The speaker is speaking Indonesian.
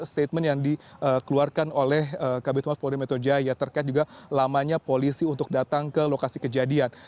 statement yang dikeluarkan oleh kabinet humas polda metro jaya terkait juga lamanya polisi untuk datang ke lokasi kejadian